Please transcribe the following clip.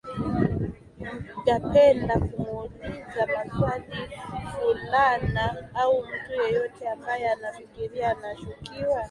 gependa kumuuliza mwaswali fulana au mtu yeyote ambaye anafikiria anashukiwa